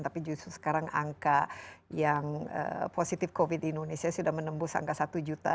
tapi justru sekarang angka yang positif covid di indonesia sudah menembus angka satu juta